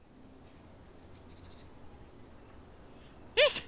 よいしょ！